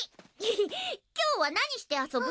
今日は何して遊ぶ？